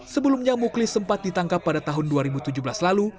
sebelumnya muklis sempat ditangkap pada tahun dua ribu tujuh belas lalu